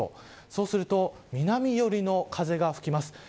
そうすると南寄りの風が吹きます。